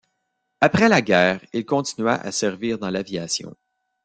Après la guerre, il continua à servir dans l'aviation.